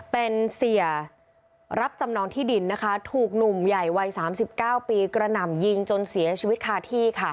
เป็นเสียรับจำนองที่ดินนะคะถูกหนุ่มใหญ่วัย๓๙ปีกระหน่ำยิงจนเสียชีวิตคาที่